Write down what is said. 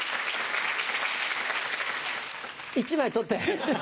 １枚取って。